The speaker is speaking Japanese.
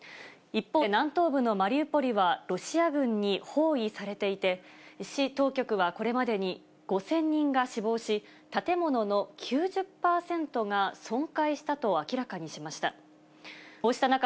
一方で南東部のマリウポリは、ロシア軍に包囲されていて、市当局はこれまでに５０００人が死亡し、建物の９０％が損壊したと明らかにしました。